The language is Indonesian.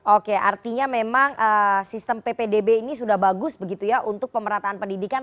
oke artinya memang sistem ppdb ini sudah bagus begitu ya untuk pemerataan pendidikan